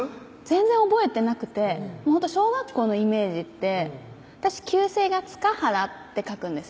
全然覚えてなくてほんと小学校のイメージって私旧姓が塚原って書くんですよ